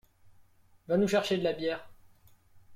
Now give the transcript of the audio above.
Va nous chercher de la bière.